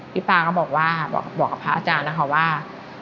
พี่ป๊าก็บอกว่าบอกพระอาจารย์นะคะว่า